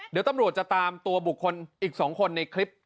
เดี๋ยวตำรวจจะตามตัวบุคคลอีก๒คนในคลิป